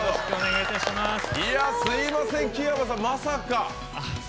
すみません、木山さんまさか。